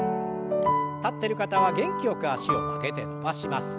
立ってる方は元気よく脚を曲げて伸ばします。